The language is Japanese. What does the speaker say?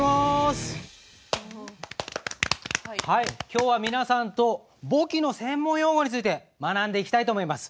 今日は皆さんと簿記の専門用語について学んでいきたいと思います。